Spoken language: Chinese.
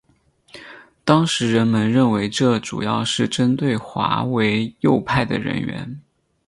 当时人们认为这主要是针对划为右派的人员。